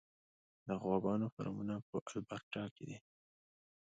د غواګانو فارمونه په البرټا کې دي.